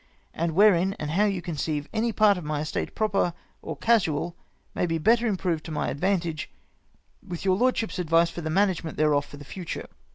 And wherein and how you conceive any part of my estate proper or casual may be better improved to my advantage, with your lordship's advice for the manage ment thereof for the future.